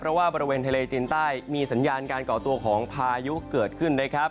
เพราะว่าบริเวณทะเลดินใต้มีสัญญาการเกาะตัวของพายุเกิดขึ้น